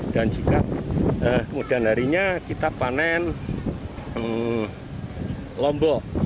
dan juga kemudian harinya kita panen lombok